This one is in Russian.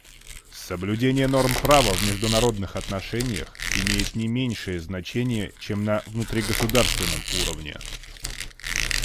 Соблюдение норм права в международных отношениях имеет не меньшее значение, чем на внутригосударственном уровне.